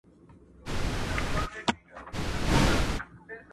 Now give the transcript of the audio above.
د خان د کوره خو پخه نۀ راځي .